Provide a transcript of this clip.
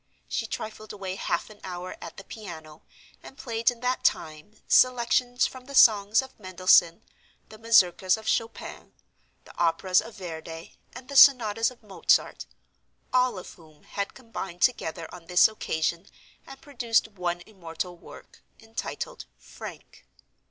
She trifled away half an hour at the piano; and played, in that time, selections from the Songs of Mendelssohn, the Mazurkas of Chopin, the Operas of Verdi, and the Sonatas of Mozart—all of whom had combined together on this occasion and produced one immortal work, entitled "Frank."